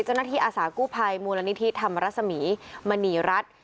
เจ้านักฐีอาสากู้ภัยมูลนิธิธรรมรสมีมณีรัฐ